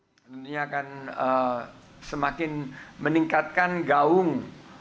kemen powercraft akan semakin meningkatkan gaung